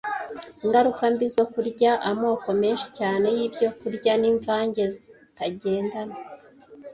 Ingaruka mbi zo kurya amoko menshi cyane y’ibyokurya n’imvange zitagendana